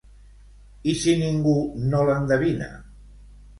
I si ningú no l'endevina?